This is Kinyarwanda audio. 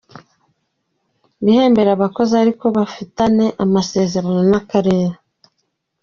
Bihembere abakozi ariko bafitane amasezerano n’akarere.